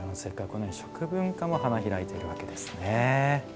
このように食文化も花開いているんですね。